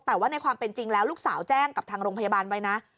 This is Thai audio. แต่ว่าในความเป็นจริงแล้วลูกสาวแจ้งกับทางโรงพยาบาลไว้นะ